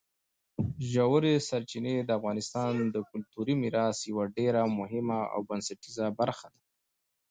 ژورې سرچینې د افغانستان د کلتوري میراث یوه ډېره مهمه او بنسټیزه برخه ده.